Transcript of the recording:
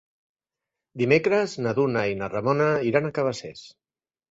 Dimecres na Duna i na Ramona iran a Cabacés.